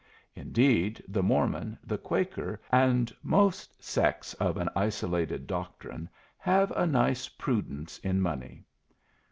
Indeed; the Mormon, the Quaker, and most sects of an isolated doctrine have a nice prudence in money.